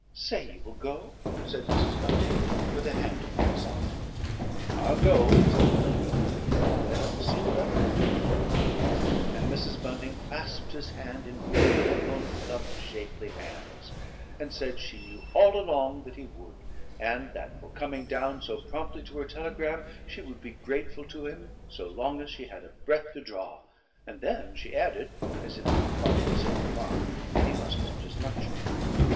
"Say you will go?" said Mrs. Bunting, with a hand upon his arm. "I'll go," said Melville, "but I don't see what I can do!" And Mrs. Bunting clasped his hand in both of her own plump shapely hands and said she knew all along that he would, and that for coming down so promptly to her telegram she would be grateful to him so long as she had a breath to draw, and then she added, as if it were part of the same remark, that he must want his luncheon.